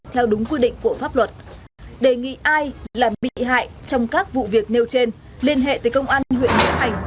theo đúng quy định của pháp luật đề nghị ai làm bị hại trong các vụ việc nêu trên liên hệ tới công an huyện nghĩa hành